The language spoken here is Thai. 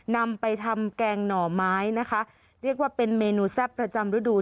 นำไปทำแกงหน่อไม้นะคะเรียกว่าเป็นเมนูแซ่บประจำฤดู